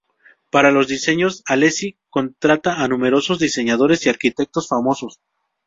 Para los diseños, Alessi contrata a numerosos diseñadores y arquitectos famosos.